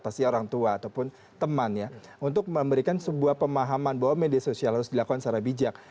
pasti orang tua ataupun teman ya untuk memberikan sebuah pemahaman bahwa media sosial harus dilakukan secara bijak